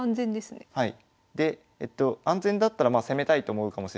はい。